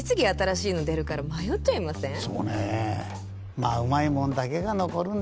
まぁうまいもんだけが残るんだろうねぇ。